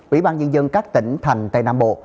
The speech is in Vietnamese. ủy ban nhân dân các tỉnh thành tây nam bộ